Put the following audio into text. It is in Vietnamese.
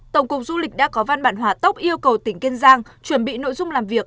tổng cục du lịch đã có văn bản hỏa tốc yêu cầu tỉnh kiên giang chuẩn bị nội dung làm việc